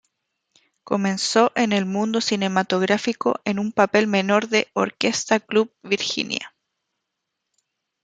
Comenzó en el mundo cinematográfico en un papel menor de "Orquesta Club Virginia".